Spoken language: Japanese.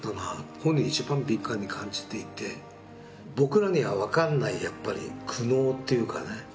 本人が一番敏感に感じていて、僕らには分かんない、やっぱり苦悩っていうかね。